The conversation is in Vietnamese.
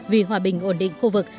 vì hòa bình ổn định khu vực